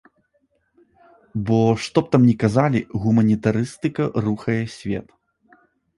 Бо, што б там ні казалі, гуманітарыстыка рухае свет.